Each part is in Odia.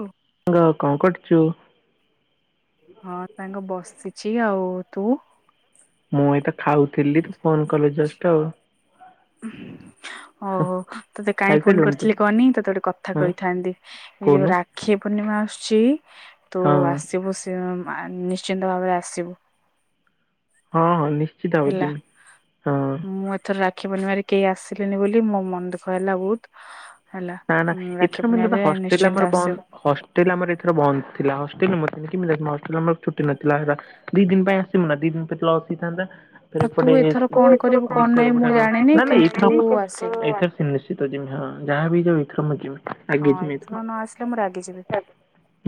ଲୋ। ସାଙ୍ଗ କଣ କରୁଛୁ? ହଁ ସାଙ୍ଗ ବସିଛି ଆଉ ତୁ? ମୁଁ ଏଇତ ଖାଉଥିଲି ତୁ ଫୋନ କଲୁ ଜଷ୍ଟ ଆଉ। ଓ ହଁ ହୋ ତୋତେ କାହିଁ ଫୋନ ଖାଇସାରିଲୁଣି ତୁ? କରିଥିଲି କହନି ତୋତେ ଗୋଟେ କଥା ହଁ କହିଥାନ୍ତି। ଏ ଯୋଉ କହୁନୁ ରାକ୍ଷୀ ପୂର୍ଣ୍ଣିମା ଆସୁଚି ତୁ ହଁ ଆସିବୁ ଆ ନିଶ୍ଚିନ୍ତ ଭାବଏ ଆସିବୁ। ହଁ ହଁ ନିି ହେଲା ମୁଁ ଥର ରାକ୍ଷୀ ପୁଣ୍ଣିବାରେ କେହି ଆସିଲେନି ବୋଲି ମୋ ମନ ଦୁଃଖ ହେଲା ବହୁତ। ହେଲା। ନା ନା ରାକ୍ଷୀ ଏଥର ମାନ କ ପୂର୍ଣ୍ଣିମାରେ ହଷ୍ଟେଲ ନିଶ୍ଚିନ୍ତ ଆମର ବନ୍ଦ ଆସିବୁ। ହସ ଷ୍ଟେଲ ଆମର ଏଥର ବନ୍ଦ ଥିଲା। ହଷ୍ଟେଲ [unintelligible] ଛୁଟି ନଥିଲା। ଦି ଦିନ ପାଇଁ ଆସିବୁ ନା ଦି ଦିନ ପାଇଁ ତେଳେ ଆସ ହେଇଥାନ୍ତା। ଆଉ ତୁ ପଟେ ଏଥର କଣ କରିବୁ କଣ ନାହିଁ ମୁଁ ଜାଣିନି ଏଥର କିନ୍ତୁ ତୁ ଆସିବୁ। ଏ [inaudible] ନିଶ୍ଚିତ ଯମି ହଁ ଯାହା ବି ହେଇଯାଉ ଏଇଥର ଜମି। ହଁ ଏଥର ନ ଆସିଲେ ମୁଁ ରାଗିଯିବି।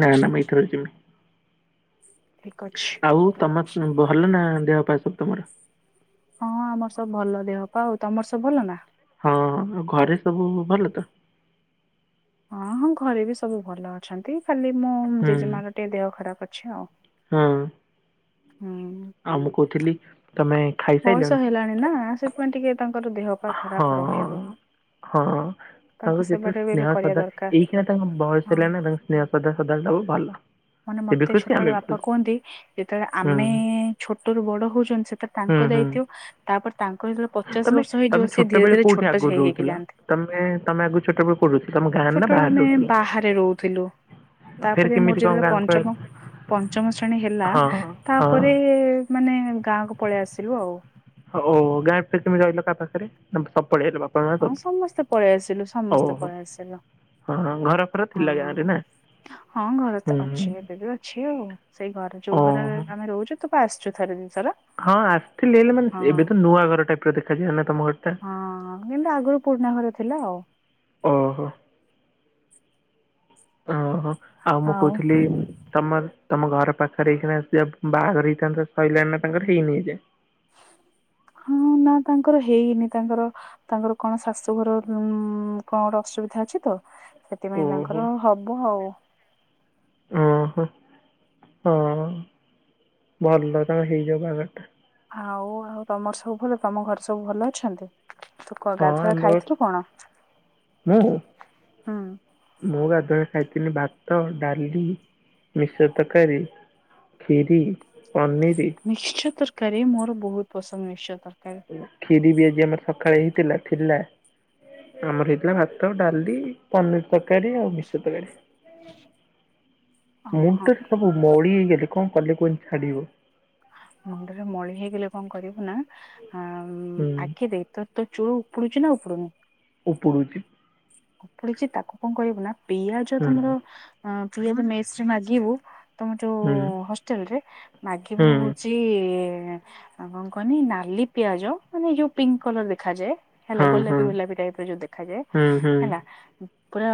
ନା ନା ମୁଁ ଏଇଥର ଜିମି। ଠିକ ଅଛି। ଆଉ ତମ ଭଲ ନା ଦେହ ପା ସବୁ ତମର? ହଁ ଆମର ସବୁ ଭଲ ଦେହ ପା। ଆଉ ତମର ସବୁ ଭଲ ନା? ହଁ ଘରେ ସବୁ ଭଲ ତ? ହଁ ହଁ ଘରେ ବି ସବୁ ଭଲ ଅଛନ୍ତି ଖାଲି ମୋ ଜେଜେମାର ଟିକେ ଦେହ ଖରାପ ଅଛି ଆଉ। ହୁଁ। ହୁଁ। ଆଉ ମୁଁ କହୁଥିଲି ତମେ ବୟସ ଖାଇସାଇଲଣି? ହେଲାଣି ନା ସେଥିପାଇଁ ଟିକେ ତାଙ୍କର ଦେହ ପା ହଁ ଖରାପ ରହିବ। ହଁ ତାଙ୍କ ତାଙ୍କୁ ଯେତେ ସେବାଟା ବି ଏବେ ସ୍ନେହ କରିବା ଶ୍ରଧା ଦରକାର ଏଇଖିନା ତାଙ୍କ ବୟସ ହଁ ହେଲା ନା ତାଙ୍କ ସ୍ନେହଶ୍ରଧା ସଦାବେଳେ ଦବ ଭଲ। ମାନେ ସେ ବି ମତେ ଖୁସି ଆମେ ଛୋଟବେଳେ ବି ବାପା ଖୁସି। କୁହନ୍ତି ଯେତେବେଳେ ହୁଁ ଆମେ ଛୋଟରୁ ବଡ ହଉଚନ୍ତି ସେଟା ହୁଁ ତାଙ୍କ ହୁଁ ଦାୟିତ୍ୱ ତାପରେ ତାଙ୍କର ଯେତେବେଳେ ପଚାଶ ତମେ ବର୍ଷ ହେଇଯିବ ତମେ ସେ ଛୋଟ ଧୀରେ ବେଳେ ଧୀରେ କୋଉଠି ଛୋଟ ଆଗରୁ ହେଇ ହେଇକି ରହୁଥିଲ? ଯାଆନ୍ତି। ତମେ ତମେ ଆଗରୁ ଛୋଟବେଳେ କୋଉଠି ରହୁଥିଲ ତମ ଗାଁରେ ନା ଛୋଟବେଳେ ବାହାରେ ଆମେ ରହୁଥିଲ? ବାହାରେ ରହୁ ଥିଲୁ। ଫେରେ ତାପରେ ମୋର କେମିତି କଣ ଯେତଳେ ଗାଁକୁ ଆଇଲ? ପଞ୍ଚମ ପଞ୍ଚମ ଶ୍ରେଣୀ ହେଲା ହଁ ହଁ ତାପରେ ମାନେ ଗାଁକୁ ପଳେଇ ଆସିଲୁ ଆଉ। ହଉ ଗାଁରେ ଫିରି କେମିତି ରହିଲ କାହା ପାଖରେ ନା ସବୁ ପଳେଇ ଆଇଲ ବାପ ହଁ ସମସ୍ତେ ପଳେଇ ଆସିଲୁ ସମସ୍ତେ ଓହୋ ପଳେଇ ଆସିଲୁ। ହଁ ଘର ଫର ହଁ ଥିଲା ଗାଁରେ ହଁ। ନା? ହଁ ଘର ତ ହୁଁ ହୁଁ। ଅଛି ଏବେ ବି ଅଛି ଆଉ ସେଇ ଘରେ ଯୋଉ ଘରେ ଓହୋ ଆମେ ରହୁଚୁ ତ ତୁ ପା ଆସିଚୁ ଥରେ ଦି ଥର। ହଁ ଆସିଥିଲି ହେଲେ ମାନେ ଏବେ ତ ନୂଆ ଘର ଟାଇପର ଦେଖାଯିବ ନା ତମ ଘର ଟା। ହଁ କିନ୍ତୁ ଆଗରୁ ପୁରୁଣା ଘର ଥିଲା ଆଉ। ଓହୋ। ଓ ହୋ ଆଉ ମୁଁ କହୁଥିଲି ତମର ତମ ଘର ପାଖରେ ଏଇଖିନା ସେ ବାହାଘର ହେଇଥାନ୍ତା ସଇଲାଣି ନା ତାଙ୍କର ହେଇନି ଏଯାଏ? ହଁ ନା ତାଙ୍କର ହେଇନି ତାଙ୍କର। ତାଙ୍କର କଣ ଶାଶୁଘର ଉଁ କଣ ଗୋଟେ ଅସୁବିଧା ଅଛି ତ। ସେଥିପାଇଁ ଓହୋ ତାଙ୍କର ହବ ଆଉ। ଓହୋ ହଁ ଭଲ ତାଙ୍କର ହେଇଯାଉ ବାହଘରଟା। ଆଉ ଆଉ ତମର ସବୁ ଭଲ? ତମ ଘରେ ସବୁ ଭଲ ଅଛନ୍ତି? ତୁ କହ ହଁ ଗାଧୁଆବେଳେ ଆମର ଖାଇଥିଲୁ କଣ? ମୁଁ ହୁଁ। ମୁଁ ଗାଧୁଆବେଳେ ଖାଇଥିନି ଭାତ, ଡାଲି, ମିକଶ୍ଚର ତରକାରୀ। ଖିରି, ପନିରି। ମିକ୍ସଚର ତରକାରୀ, ମୋର ବହୁତ ପସନ୍ଦ ମିକ୍ସଚର ତରକାରୀ। ଖିରି ବି ଆଜି ଆମର ସକାଳେ ହେଇଥିଲା ଥିଲା। ଆମର ହେଇଥିଲା ଭାତ, ଡାଲି, ପନିରି ତରକାରୀ, ଆଉ ମିକଶ୍ଚର ତରକାରୀ। ଓହୋ ମୁଣ୍ଡଟାରେ ସବୁ ମଳି ହେଇଗଲେ କଣ କଲେ କୁହନି ଛାଡିବ? ମୁଣ୍ଡରେ ମଳି ହେଇଗଲେ କଣ କରିବୁ ନା ହୁଁ ଆଖି ଦେଇ ତୋର ତ ଚୁଳୁ ଉପଡ଼ୁଛି ନା ଉପଡ଼ୁନି? ଉପୁଡ଼ୁଛି। ଉପୁଡ଼ୁଛି ତାକୁ କଣ କରିବୁ ନା ପିଆଜ ହୁଁ ତମର ପିଆଜ ମେସ୍ ରେ ମାଗିବୁ। ତମର ଯୋଉ ହୁଁ ହଷ୍ଟେଲରେ ହୁଁ ମାଗିବୁ ସେଇ କଣ କହନି ନାଲି ପିଆଜ ମାନେ ଯୋଉ ପିଙ୍କ କଲର ଦେଖାଯାଏ। ହେଲା ହଁ ହଁ ଗୋଲାପୀ ଗୋଲାପୀ ଟାଇପର ଯୋଉ ଦେଖାଯାଏ। ହୁଁ ହୁଁ ହେଲା ପୁରା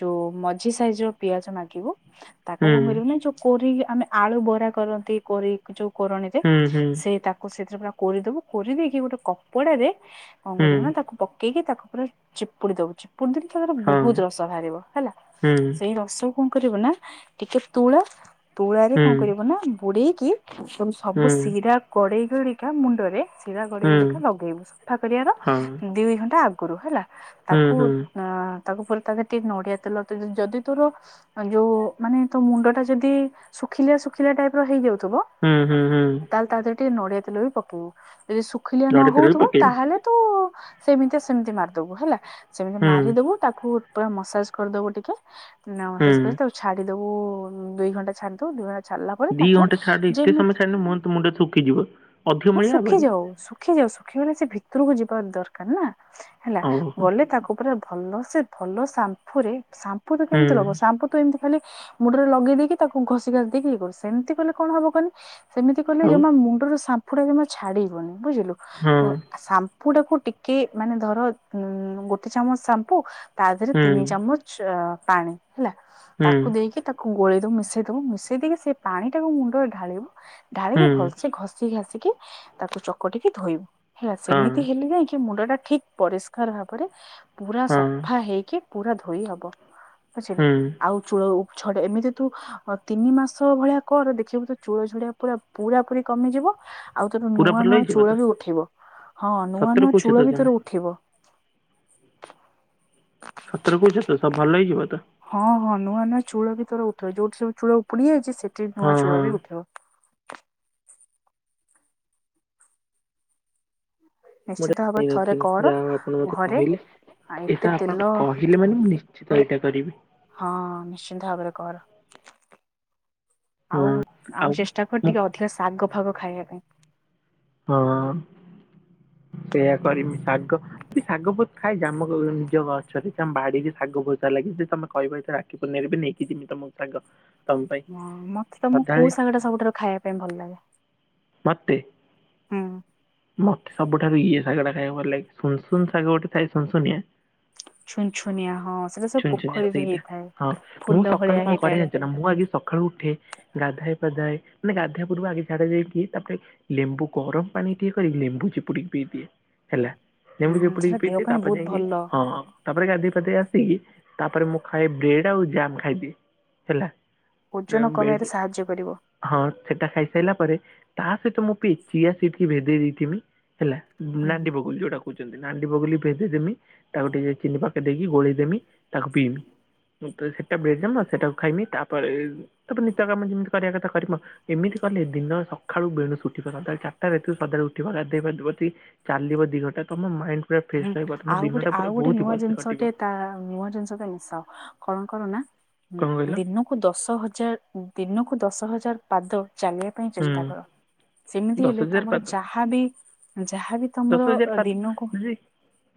ଯୋଉ ମଝି ସାଇଜର ପିଆଜ ମାଗିବୁ। ତାକୁ ହୁଁ କଣ କରିବୁ ନା ଯୋଉ କୋରେଇକି ଆମେ ଆଳୁ ବରା କରନ୍ତି, କୋରେଇ ଯୋଉ କୋରୋଣୀରେ ହୁଁ ସେ ହୁଁ ତାକୁ ସେଥିରେ ପୁରା କୋରେଇଦବୁ। କୋରେଇ ଦେଇକି ଗୋଟେ କପଡାରେ କଣ ହୁଁ କରିବୁ ନା ତାକୁ ପକେଇକି ତାକୁ ପୁରା ଚିପୁଡ଼ି ଦବୁ। ଚିପୁଡି ଦେଲେ ତା ଦେହରେ ହଁ ବହୁତ ରସ ବାହାରିବ ହେଲା। ସେଇ ରସକୁ କଣ କରିବୁନା, ଟିକେ ତୁଳା, ତୁଳାରେ ହୁଁ ହୁଁ କଣ କରିବୁନା ବୁଡେଇକି ସବୁ ହୁଁ ଶିରା କଡେଇ ଗୁରିକା ମୁଣ୍ଡରେ ଶିରା ହୁଁ ଗଡେଇ ଗଡେଇକା ଲଗେଇବୁ। ସଫା କରିବାର ହଁ ହୁଁ ଦୁଇ ଘଣ୍ଟା ଆଗରୁ, ହେଲା। ତାକୁ ହୁଁ ହୁଁ ଆ ତାକୁ ପୁଣି ତା ଦେହରେ ଟିକେ ନଡିଆ ତେଲ, ତୁ ଯଦି ତୋର ମାନେ ଯୋଉ ମାନେ ତୋ ମୁଣ୍ଡଟା ଯଦି ଶୁଖିଲିଆ ଶୁଖିଲିଆ ଟାଇପର ହେଇଯାଉଉଥିବ। ହୁଁ ହୁଁ। ତାହେଲେ ତା ଦେହରେ ଟିକେ ନଡିଆ ତେଲ ବି ପକେଇବୁ। ଯଦି ଶୁଖିଲିଆ ନ ନଡ଼ିଆ ତେଲ ବି ହଉଥିବ ପକେଇବି ତାହେଲେ ତୁ ସେମିତି ସେମିତି ମାରିଦବୁ ହେଲା। ସେମିତି ହୁଁ ମାରିଦବୁ ତାକୁ ତୁ ପୁରା ମସାଜ କରିଦବୁ ଟିକେ। ନା ମସାଜ ହୁଁ କରିକି ତାକୁ ଛାଡିଦବୁ ଦୁଇ ଘଣ୍ଟା ଛାଡିଦବୁ ଦୁଇ ଘଣ୍ଟା ଛାଡ଼ିଲା ପରେ ଦି ତାକୁ ଘଣ୍ଟା ଛାଡ ଏତେ ସମୟ ଯେମିତି, ଛାଡିଲେ ମୋ ତ ମୁଣ୍ଡ ଶୁଖିଯିବ ଅଧିକ ହଁ ମଳିଆ ହବନି ଶୁଖିଯାଉ। ଶୁଖିଯାଉ। ଶୁଖିଗଲେ ସେ ଭିତରକୁ ଯିବା ଦରକାର ନା ହେଲା। ଓହୋ ଗଲେ ତାକୁ ପୁରା ଭଲ ସେ ଭଲ ସାମ୍ଫୁରେ, ସାମ୍ଫୁ ତୁ କେମିତି ହୁଁ ଲଗଉଛୁ? ସାମ୍ପୁ ତ ଏମିତି ଖାଲି ମୁଣ୍ଡରେ ଲଗେଇ ଦେଇକି ତାକୁ ଘଷିଘାସି ଦେଇକି ଇଏ କରୁ। ସେମିତି କଲେ କଣ ହବ କହିଲୁ? ସେମିତି କଲେ ଆଉ ଜମା ମୁଣ୍ଡରୁ ସାମ୍ଫୁଟା ଜମା ଛାଡିବନି। ବୁଝିଲୁ? ହଁ ଅଁ ସାମ୍ ସାମ୍ପୁଟାକୁ ଟିକେ ମାନେ ଧର ଉଁ ଗୋଟେ ଚାମଚ ସାମ୍ପୁ ତା ଦେହରେ ହୁଁ ତିନି ଚାମଚ ପାଣି, ହେଲା? ହୁଁ ତାକୁ ଦେଇକି ତାକୁ ତାକୁ ଗୋଳେଇ ଦବୁ, ମିଶେଇ ଦବୁ, ମିଶେଇ ଦେଇକି ସେ ପାଣି ଟାକୁ ମୁଣ୍ଡରେ ଢାଳିବୁ। ଢାଳିକି ହୁଁ ଭଲସେ ଘସ୍ ଘଷିଘାସିକି ତାକୁ ଚକଟିକି ଧୋଇବୁ ହେଲା। ହଁ ସେମିତି ହେଲେ ଯାଇକି ମୁଣ୍ଡଟା ଠିକ୍ ପରିଷ୍କାର ଭାବରେ ପୁରା ହଁ ସଫାହେଇକି ପୁରା ଧୋଇ ହବ। ବୁଝିଲୁ ହୁଁ ଆଉ ଚୂଳ ଉପ ଝଡେ, ଏମିତି ତୁ ତିନି ମାସ ଭଳିଆ କର, ଦେଖିବୁ ତୋ ଚୂଳ ଝଡିବା ପୁରା ପୁରାପୁରି କମିଯିବ। ଆଉ ତୋର ପୁରା ନୂଆ ଭଲ ନୂଆ ହେଇଯିବ ତ ଚୂଳବି ଉଠିବ। ହଁ ନୂଆ ସତରେ ନୂଆ କହୁଛ ତ ଚୂଳ ବି ତମେ ତୋର ଉଠିବ। ସତରେ କହୁଛ ତ? ସବୁ ଭଲ ହେଇଯିବ ତ? ହଁ ହଁ ନୂଆ ନୂଆ ଚୂଳ ବି ତୋର ଉଠିବ ଯୋଉଠି ସବୁ ଚୂଳ ଉପୁଡି ଯାଇଛି ସେଠି ହଁ ନୂଆ ଚୂଳ ହଁ ବି ଉଠିବ ମୁଁ ଏଟା ନିଶ୍ଚିତ ଭାବରେ ଜାଣି ଥରେ କର ନଥିଲି ଯାହା ହଉ ଆପଣ ମତେ ଘରେ କହିଲେ ଏତେ ଏଟା ତେଲ ଆପଣ କହିଲେ ମାନେ ମୁଁ ନିଶ୍ଚିତ ଏଇଟା କରିବି ହଁ ନିଶ୍ଚିନ୍ତ ଭାବରେ କର ଆଉ ଆଉ ଚେଷ୍ଟା କର ମୁଁ ଟିକେ ଅଧିକ ଶାଗ ଫାଗ ଖାଇବା ପାଇଁ ହଁ ହଁ ସେୟା କରିମି ଶାଗ ମୁଁ ଶାଗ ବହୁତ ଖାଏ ଯେ ଆମ ନିଜ ଗଛରେ ବାଡିରେ ଶାଗ ବୋହୁତ ଲାଗିଚି ତମେ କହିବ ଆଣ ଗଲାବେଳେ ନେଇକି ଯିବି ତମ ଶାଗ ତମ ପାଇଁ ହଁ ମତେ ତମକୁ ସଦାବେଳେ କୋଉ ଶାଗ ଟା ସବୁଠାରୁ ଖାଇବା ପାଇଁ ଭଲ ଲାଗେ ମତେ ହୁଁ। ମତେ ସବୁଠାରୁ ଇଏ ଶାଗ ଟା ଖାଇବା ଭଲ ଲାଗେ ସୁନସୁନ ଶାଗ ଗୋଟେ ଥାଏ ସୁନୁସୁନିଆ ଛୁନଛୁନିଆ ହଁ ସେଟା ସବୁ ଛୁନୁ ଛୁନିଆ ପୋଖରୀରେ ସେଇଟା ହେଇଥାଏ। ହଁ ମୁଁ ଫୁଲ ସକାଳୁ ଭଳିଆ କଣ କରେ ହେଇଥାଏ ଯାଣିଚ ନା ମୁଁ ଆଗେ ସକାଳୁ ଉଠେ ଗାଧେଏ ପାଧାଏ ମାନେ ଗାଧେଇବା ପୂର୍ବରୁ ଆଗେ ଝାଡା ଯାଇକି ତାପରେ ଲେମ୍ବୁ ଗରମ ପାଣି ଇଏ କରିକି ଲେମ୍ବୁ ଚିପୁଡିକି ପିଇ ଦିଏ ହେଲା ହୁଁ ଲେମ୍ବୁ ଚିପୁଡି ସେଟା ଦେହ ପିଇଦିଏ ପାଇଁ ତାପରେ ବହୁତ ଯାଇକି ହିଁ ଭଲ। ତାପରେ ଗାଧୋଇ ପାଧେଇ ଆସିକି ତାପରେ ମୁଁ ଖାଏ ବ୍ରେଡ୍ ଆଉ ଜାମ୍ ଖାଇଦିଏ ହେଲା ଏଁ, ଓଜନ ବ୍ରେଡ କମେଇବାରେ ସାହାଯ୍ୟ କରିବ ହଁ ସେଟା ଖାଇସାରିଲା ପରେ ତା ସହିତ ମୁଁ ଚିଆସିିଡ୍ କି ଭେଦେଇ ଦେଇଥିବି ହେଲା ସୁନାଟି ବଗ ଯୋଡ ଯଦି ନାଣ୍ଡି ବଗୁଲି ଭେଦେଇଦେବି ତାକୁ ଟିକେ ଚିନି ପକେଇ ଦେଇକି ଗୋଳେଇଦେବି ତାକୁ ପିଇବି ତ ସେଟା ବେଡଯାମ ନା ସେଟାକୁ ଖାଇମି ତାପରେ ତାପରେ ନିତ୍ୟ କାମ ଯେମିତି କରିବା କଥା କରିିବ ଏମିତି କଲେ ଦିନ ସକାଳୁ ବେଣୁସୁ ଉଠିବା ଦରକାର ସକାଳେ ଉଠିବ ଗାଧୋଇ ପାଧେଇବ ଚାଲିବ ଦିଘଣ୍ଟା ତମ ମାଇଣ୍ଡି ଆଉ ଗୋଟେ ଆଉ ଗୋଟେ ନୂଆ ଜିନିଷ କଟିବ। ଟେ ତା ନୂଆ ଜିନିଷ ମିଶ କଣ କଣ ନା କଣ କହିଲ ଦିନ ଦଶ ହଜାର ଦିନକୁ ଦଶ ହଜାର ପାଦ ଚାଲିବାକୁ ହୁଁ ଚେଷ୍ଟା କର ସେମିତି ଦଶ ହେଲେ ହଜାର ତମର ପାଦ ଯାହାବି ଯାହାବି ଦଶ ତମର ହଜାର ପାଦ ଦିନକୁ ଦିଦି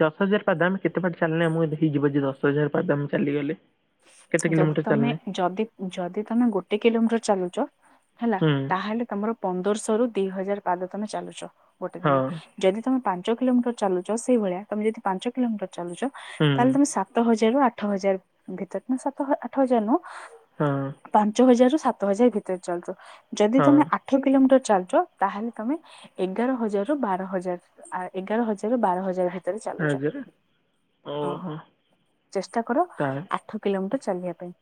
ଦଶ ହଜାର ପାଦ ଆମେ କେତେପାଦ ଚାଲିଲେ ଆମକୁ ହେଇଯିବ ଯେ ଦଶ ହଜାର ପାଦ ଆମେ ଚାଲିଗଲେ କେତେ ଯଦି କିଲୋମିଟର ତମେ ଚାଲିଲେ ଯଦି ଯଦି ତମେ ଗୋଟେ କିଲୋମିଟର ଚାଲୁଚ ହେଲା ହୁଁ ତାହେଲେ ତମର ପନ୍ଦରଶହରୁ ଦି ହଜାର ପାଦ ତମେ ଚାଲୁଛ ଗୋଟେ ହଁ ଦିନ ଯଦି ତମେ ପାଞ୍ଚ କିଲୋମିଟର ଚାଲୁଛ ସେଇ ଭଳିଆ ତମେ ଯଦି ପାଞ୍ଚ କିଲୋମିଟର ଚାଲୁଛ ହୁଁ ତାହେଲେ ତମେ ସାତ ସାତ ହଜାରରୁ ଆଠ ହଜାର ଭିତରେ ସାତ ଆଠ ହଜାର ନୁହଁ ହଁ ପାଞ୍ଚ ହଜାରରୁ ସାତ ହଜାର ଭିତରେ ଚାଲୁଛ ଯଦି ହଁ ତମେ ଆଠ କିଲୋମିଟର ଚାଲୁଛ ତାହେଲେ ତମେ ଏଗାର ହଜାରରୁ ବାର ହଜାର ଏଗାର ହଜାର ରୁ ବାର ହଜାର ହେ ଭିତରେ ଚାଲୁଛ ହଜାର ହଁ ଓହୋ ଚେଷ୍ଟା କର ତା ଆଠ କିଲୋମିଟର ଚାଲିବା ପାଇଁ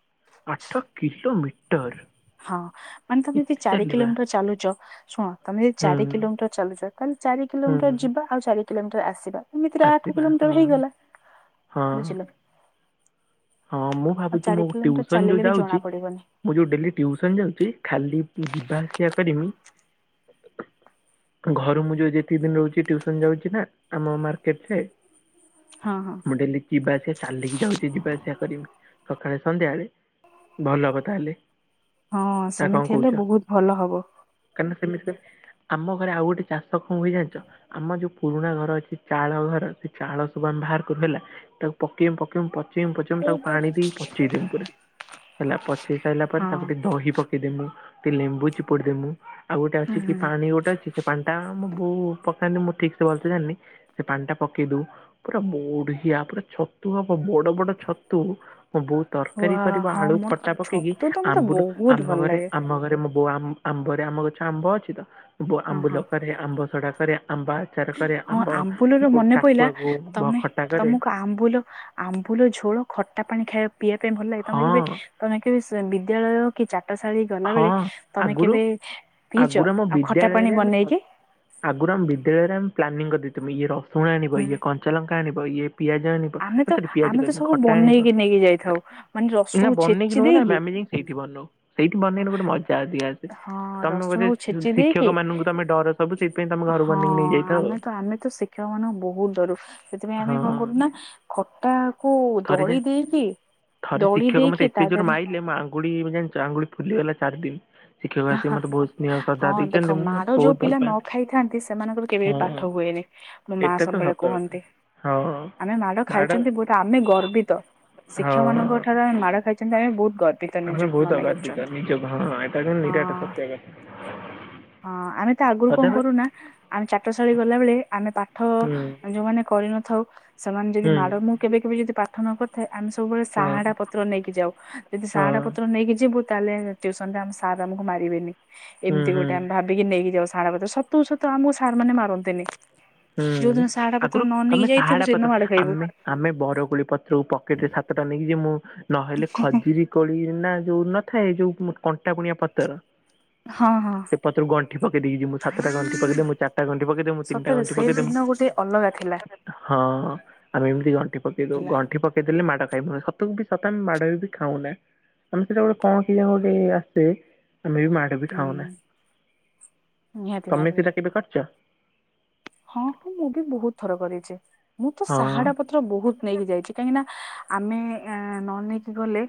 ଆଠ କିିଲୋମିଟର ହଁ ମାନେ ତମେ ଯଦି ଚାରି ଚାଲିବା କିଲୋମିଟର ଚାଲୁଛ ଶୁଣ ତମେ ଜଦି ହୁଁ ଚାରି କିଲୋମିଟର ଚାଲୁଛ ତାହଲେ ଚାରି ହୁଁ କିଲୋମିଟର ଯିବ ଆଉ ଚାରି କିଲୋମିଟର ଆସିବା ଏମିତିରେ ଆଠ ଆସିବା ହଁ କିଲୋମିଟର ହେଇଗଲା ହଁ ବୁଝିଲ ହଁ ମୁଁ ଆଉ ଭାବୁଛି ଚାରି ମୁଁ କିଲୋମିଟର ଟିଉସନ୍ ଯୋଉ ଚାଲିଲେ ବି ଜଣା ଯାଉଛି ପଡିବନି ମୁଁ ଯୋଉ ଡେଲି ଟ୍ୟୁସନ୍ ଯାଉଛି ଖାଲି ଯିବା ଆସିବା କରିମି [inaudible] ଘରୁ ମୁଁ ଯୋଉ ଯେତିକି ଦିନ ରହୁଛି ଟ୍ୟୁସନ୍ ଯାଉଛି ନା ଆମ ମାର୍କେଟ ରେ ହଁ ହଁ। ମୁଁ ଡେଲି ଯିବାଆସିବା ଚାଲିକି ଯାଉଛି ଯିବା ଆ ଆସିବା କରିବି ସକାଳେ, ସନ୍ଧ୍ୟାବେଳେ ଭଲ କଥା ହେଲେ। ହଁ ସେମିତି ହେଲେ ବହୁତ ଭଲ ହବ। କାରଣ ସେମିତି ସେମିତି ଆମ ଘରେ ଆଉ ଗୋଟେ ଚାଷ କଣ ହୁଏ ଜାଣିଛ। ଆମ ଯୋଉ ପୁରୁଣା ଘର ଅଛି ଚାଳ ଘର ସେ ଚାଳ ସବୁ ଆମେ ବାହାର କରି ଦେଲେ। ତାକୁ ପକେଇମୁ ପକେଇବୁ ପଚେଇ ବୁ ପଚେ। ତାକୁ ପାଣି ଦେଇ ପଚେଇଦେମି ପୁରା ହେଲା ପଚେଇ ସାରିଲା ପରେ ହଁ ତାକୁ ଟିକେ ଦହି ପକେ। ଟିକେ ଦେବୁ ଟିକିଏ ଲେମ୍ବୁ ଚିପୁଡି ଦେବୁ। ଆଉ ଗୋଟେ ଅଛି କି ହୁଁ ପାଣି ଗୋଟେ ଅଛି ସେ ପାଣି ଟା ମୋ ବୋଉ ପକାନ୍ତିି ମୁଁ ଠିକସେ ଭଲସେ ଜାଣିିନି। ସେ ପାଣି ଟା ପକେଇ ଦଉ ପୁରା ବଢିଆ ପୁରା ଛତୁ ହବ ବଡ ବଡ ଛତୁ। ତୁ ମୋ ବୋଉ। ତରକାରୀ ୱା କରିବ ହଁ ଆଳୁ ମୋର ଖଟା ପକେଇକି ଛତୁ ତ ମତେ ଆମ୍ୱୁଲ ବହୁତ ଆମ ଭଲ ଘରେ ଲାଗେ ଆମ ଘରେ ମୋ। ବୋଉ ଆମ୍ବରେ ଆମ ଗଛ ଆମ୍ବ ଅଛି ତ ବୋଉ ହଁ ହଁ ଆମ୍ବୁଲ କରେ ଆମ୍ବ ସଡା କରେ ଆମ୍ବ ଆଚାର କରେ ହଁ ଆମ୍ବ ଆମ୍ବୁଲରୁ ମନେ ପଇଲା ଟାକୁଆକୁ ତମେ ଖଟା କରେ ତମକୁ ଆମ୍ବୁଲ। ଆମ୍ବୁଲ ଝୋଳ ଖଟା ପାଣି ଖାଇବା ପିଇବା ପାଇଁ ଭଲ ଲାଗେ ହଁ ତମେ କେବେ ତମେ କେବେ ବିଦ୍ୟାଳୟ। କି ଚାଟଶାଳୀ ହଁ ଗଲାବେଳେ ତମେ ଆଗରୁ କେବେ ପିଇଚ ଆଉ ଖଟା ପାଣି ବନେଇକି। ଆଗୁରୁ ଆମ ବିଦ୍ୟାଳୟରେ ଆମେ ପ୍ଲାନିଂ କରିଦେଇଥିବୁ ଇଏ ରସୁଣ ଆଣିବ ହୁଁ ଇଏ କଞ୍ଚାଲଙ୍କା ଆଣିବ। ତ ଇଏ ପିଆଜ ଆଣିବ। ଆମେ ତ ସେଠି ପିଆଜ ଆମେ ତ ସବୁ ଖଟା ଆଣିବ ବନେଇକି ନେଇକି ଯାଇଥାଉ ମାନେ ନା ରସୁଣକୁ ବନେଇକି ଛେଚି ନୋଉନା ଦେଇକି ମାମିନି। ସେଇଠି ବନଉ ସେଇଠି ବନେଇଲେ ଗୋଟେ ମଜା ଅଧିକା ଆସେ। ହଁ ତମେ ବୋଧେ ରସୁଣକୁ ଛେଚି ଦେଇକି ଶିକ୍ଷକ ମାନଙ୍କୁ ତମେ ଡର ସବୁ ସେଇଥିପାଇଁ ତମେ ଘର ହଁ ବେନେଇକି ନେଇଯାଇଥାଅ। ଆମେ ତ ଆମେ ତ ଶିକ୍ଷକ ମାନଙ୍କୁ ବହୁତ ଡରୁ ସେଥିପାଇଁ ଆମେ କଣ କରୁ ନା। ଖଟା କୁ ଥରେ ଯେ ଦଳି ଦେଇକି ଦଳି ଦେଇକି ତା ଦେହେ ରେ। କୁଳି ଜାଣିଛ ଆଙ୍ଗୁଳି ଫୁଲିଗଲା ଚାରି ଦିନି। ହଁ ଦେଖ ମୁଁ ମତେ ମାଡ ବହୁତ ଯୋଉ ଭଲ ପିଲା ନ ପାଆନ୍ତି। ଖାଇଥାନ୍ତି ସେମାନଙ୍କର କେବେ ବି ହଁ। ପାଠ ହୁଏନି। ମୋ ମା ଏଟା ତ ସବୁବେଳେ ସତ କଥା କୁହନ୍ତି ହଁ ଆମେ ମାଡ ମାଡ଼ ଖାଇଛନ୍ତି ବୋଲି ଆମେ ଗର୍ବିତ। ହଁ ଶିକ୍ଷକ ମାନଙ୍କ ଠାରୁ ଆମେ ମାଡ ଖାଇଛନ୍ତି ଆମେ ବହୁତ ଗର୍ବିତ ନିଜକୁ ମନେ କରୁଛନ୍ତି। ଏ ହଁ ଏଇଟା କିନ୍ତୁ ନିରାଟ ହଁ। ସତ୍ୟ ଆଜ୍ଞା ତ ଦେବେ। ନା। ଆମେ ଚାଟ ଶାଳୀ ଗଲାବେଳେ ଆମେ ପାଠ ହୁଁ ଯୋଉମାନେ କରିନଥାଉ ସେମାନେ ଯଦି ହୁଁ ମାଡ ମୁଁ। କେବେ କେବେ ଯଦି ପାଠ ନ କରିଥାଏ ଆମେ ସବୁବେଳେ ହଁ ସାହାଡା ପତ୍ର ନେଇକି ଯାଉ ଯଦି ହଁ ସାହାଡା ପତ୍ର ପତ୍ର ନେଇକି ଯିବୁ ତାହେଲେ ଟିଉସନ ରେ ଆମ ସାର ଆମକୁ ମାରି ବେନି ହୁଁ ଏମିତି ହୁଁ ଗୋଟେ ଆମେ ଭାବି ନେଇକି ଯାଉ ସାହାଡ଼ା ପତ୍ର ସତକୁ ସତ ଆମକୁ ସାର ମାନେ ମାରନ୍ତିନି। ଯୋଉ ହୁଁ ଦିନ ସାହାଡା ପତ୍ର ଆଗରୁ ନ ନେଇକି ତମେ ଯାଇଥିବୁ ସାହାଡା ପତ୍ର ସେଇଦିନ ମାଡ ଖାଇବୁ। ଆମେ ଆମେ ବରକୋଳି ପତ୍ରକୁ ପକେଟ ରେ ସାତଟା ନେଇକି ଯିମୁଁ ନହେଲେ ଖଜିରି କୋଳି ନା ଯୋଉ ନଥାଏ ଯୋଉ କଣ୍ଟା କୁଣିଆ ପତର ହଁ ହଁ ସେ ପତ୍ରକୁ ଗଣ୍ଠି ପକେଇ ଦେଇକି ଯିମୁଁ। ସାତଟା ଗଣ୍ଠି ପକେଇ ଦେମି ମୁଁ ଚାରିଟା ଗଣ୍ଠି ପକେଇଦେମି ମୁଁ ସତରେ ତିନଟାଗଣ୍ଠି ସେ ପକେଇଦେମୁଁ ଦିନ ଗୋଟେ ଅଲଗା ଥିଲା ହଁ ହଁ ଆମେ ଏମିତି ଗଣ୍ଠି ପକେଇ ଦଉ ଥିଲା ଗଣ୍ଠ ଗଣ୍ଠି ପକେଇଦେଲେ ମାଡ ଖାଇବୁନି ସତ ବି ସତ ଆମେ ମାଡ ବି ଖାଉନା। ଆମେ ସେଟା ଗୋଟେ କଣ କେଜାଣି ଗୋଟେ ଆସେ ଆମେ ବି ମା ଏ ବି ହୁଁ ଖାଉନା ନିହାତି ତମେ ଭାବରେ ସେଟା କେବେ କରିଛ। ହଁ ହଁ ମୁଁ ବି ବହୁତ ଥର କରିଛି ମୁଁ ତ ହଁ ସାହାଡା ପତ୍ର ପତ୍ର ବହୁତ ନେଇକି ଯାଇଛି କାହିଁକିନା ଆମେ ନ ନେଇକି ଗଲେ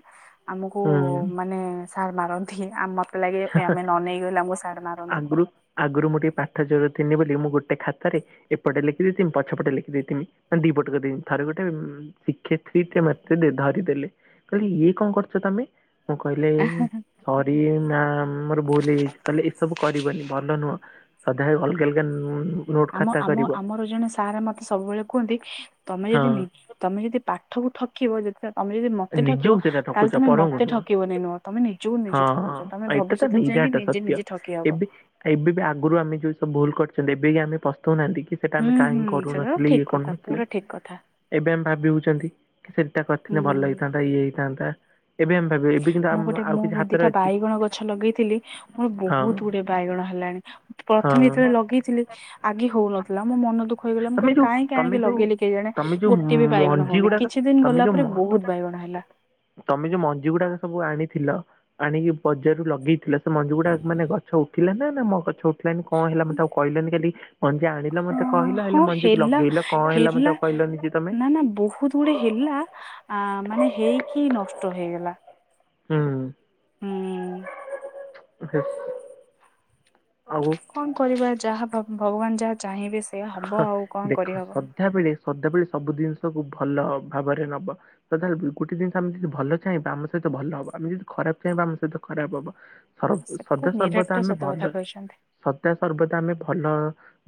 ଆମକୁ ହୁଁ ମାନେ ସାର ମାରନ୍ତି ଆମ ମତେ ଲାଗେ ଆମେ ନ ନେଇକି ଗଲେ ଆମକୁ ସାର ମାରନ୍ତି। ଆଗରୁ ଆଗରୁ ମୁଁ ଟିକେ ପାଠ ଚୋର ଥିନି ବୋଲି, ମୁଁ ଗୋଟେ ଖାତାରେ ଏପଟେ ଲେଖିଦେଇଥିଁମି, ପଛପଟେ ଲେଖି ଦେଇଥିଁମି, ମାନେ ଦି ପଟ କରି ଦେଇମ୍। ଥରେ ଗୋଟେ ଉଁ ଶିକ୍ଷେତ୍ରୀ ମେତେ ଧରିଦେଲେ। କହିଲେ ଇଏ କଣ କରୁଛ ତମେ? ମୁଁ କହିଲି ସରି ମ୍ୟା ମାମ୍ ମୋର ଭୁଲ୍ ହେଇଯାଇଛି। କହିଲେ ଏସବୁ କରିବନି ଭଲ ନୁହଁ। ସଧା ଅଲଗା ଅଲଗା ଉନ୍ ଆମ ଆମ ଆମର ଜଣେ ସାର୍ ମତେ ସବୁବେଳେ କୁହନ୍ତି, ତମେ ହଁ ଯଦି ନି ତମେ ଯଦି ପାଠକୁ ଠକିବ, ଯେତ ତମେ ଯଦି ମତେ ଠକିବ। ନିଜକୁ ସେଇଟା ଠକୁଛ ତାହେଲେ ତମେ ପରଙ୍କୁ ମତେ ନୁହଁ। ଠକିବନି ନୁହଁ, ତମେ ନିଜକୁ ହଁ ନିଜେ ହଁ ଠକୁଛ। ତମେ ଏଇଟା ଭବିଷ୍ୟତରେ ଯାଇଁକି ନିଜେ ନିଜେ ଠକି ହବ। ଆ ଏବେ ବି ଆଗରୁ ଆମେ ଯୋଉ ସବୁ ଭୁଲ କରିଛନ୍ତି, ଏବେ ଇ ଆମେ ପସ୍ତଉନାହାଁନ୍ତି କି? ସେଟା ଆମେ ହୁଁ ହୁଁ କାହିଁକି ସେଟା କରୁନଥିଲେ, ଇଏ ଠିକ କଥା କରୁନଥିଲେ। ପୁରା ଠିକ କଥା ଏବେ ଆମେ ଭାବି ହଉଛନ୍ତି, କି ସେମତିଆ କରିଥିନେ ଭଲ ହୁଁ। ହେଇଥାନ୍ତା, ଇଏ ହେଇଥାନ୍ତା। ଏବେ ଆମ୍ ମୁଁ ଗୋଟେ ମୁଁ ଦିଟା ବାଇଗଣ ଗଛ ଲଗେଇଥିଲି, ମୋର ହଁ ବହୁତ ଗୁଡେ ବାଇଗଣ ହେଲାଣି। ହଁ ପ୍ରଥମେ ଯେତେବେଳେ ଲଗେଇଥିଲି, ଆଗେ ହଉନଥିଲା। ମୋ ମନ ଦୁଃ ଖ, ହେଇଗଲା ମୁଁ ତମେ କହିଲି ଯୋଉ କାହିଁକି ତମେ ଆଣି ଯୋଉ ଲଗେଇଲି କେଜାଣି? ତମେ ଯୋଉ ଗୋଟେ ବି ବାଇଗଣ ମଞ୍ଜି ହଉନି, ଗୁଡାକ କିଛି ଦିନ ତମେ ଗଲା ଯୋଉ ପରେ ମ- ବହୁତ ବାଇଗଣ ହେଲା। ତମେ ଯୋଉ ମଞ୍ଜି ଗୁଡାକ ସବୁ ଆଣିଥିଲ। ଆଣିକି ବଜାରରୁ ଲଗେଇଥିଲ, ସେ ସେ ମଞ୍ଜି ଗୁଡା ମାନେ ଗଛ ଉଠିଲା ନା! ମୋ ଗଛ ଉଠିଲାନି, କଣ ହେଲା ମତେ ଆଉ କହିଲନି କାଲି? ମଞ୍ଜି ଆଣିଲ ମତେ ଅଁ କହିଲ, ହଁ ହେଲେ ମଞ୍ଜିକୁ ହେଲା ଲଗେଇଲ କଣ ହେଲା ମତେ ଆଉ କହିଲନି ଯେ ତମେ? ପୁଣି ହେଲା ଆ, ମାନେ ହେଇକି ନଷ୍ଟ ହେଇଗଲା। ହୁଁ। ହୁଁ ଧେତ୍ ଆଉ କଣ କରିବା ଯାହା ଭଗ-ଭଗବାନ ଯାହା ଚାହିଁବେ, ସେୟା ହବ ଆଉ କଣ କରିହବ? ଧା ବେଳେ ସଦାବେଳେ ସବୁ ଦିନଷକୁ ଭଲ ଭାବରେ ନବ। ସଧାବେଳେ ବୁଲ୍ ଗୋଟେ ଦିନିଷ ଆମେ ଯଦି ଭଲ ଚାହିଁବା ଆମ ସହିତ ଭଲ ହବ। ଆମେ ଯଦି ଖରାପ ଚାହିଁବା ଆମ ସହିତ ଖରାପ ହବ। ସରବ୍ ସେଟା ସଦା ସର୍ବଦା ନିରାଟ ଆମେ ସତ କଥା ଭଲରେ କହିଛନ୍ତି ସଦା ସର୍ବଦା ଆମେ ଭଲ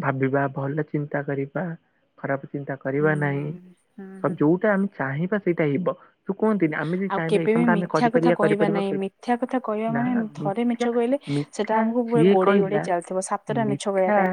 ଭାବିବା, ଭଲ ଚିନ୍ତା କରିବା ଖରାପ ଚିନ୍ତା କରିବା ହୁଁ ନାହିଁ। ହୁଁ ସବ୍ ହୁଁ। ଯୋଉଟା ଆମେ ଚାହିଁବା ସେଇଟା ହିବ। ସୁ କୁହନ୍ତିନି ଆମେ ଯଦି ଆଉ ଚାହିଁବା ଏଇ କେବେ ବି କାମଟା ଆମେ ମିଥ୍ୟା କଥା କରିପାରିବା, କହିବା କରିପାରିବା, ନାହିଁ କରିପା ମିଥ୍ୟା କଥା କହିବା ନା ମାନେ ଥରେ ମିଛ ମିଥ୍ୟା କହିଲେ ସେଟା ମିଥ୍ ମିଥ୍ୟା ଆମକୁ ପୁରା ଯିଏ ଗୋଡେଇ ଗୋଡେଇ କହିଲା, ଚାଲିଥିବ ସାତଟା ମିଛ କହିବା ପାଇଁ ମିଥ୍ୟା